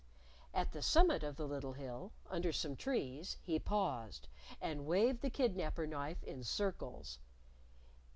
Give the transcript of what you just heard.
At the summit of the little hill, under some trees, he paused, and waved the kidnaper knife in circles.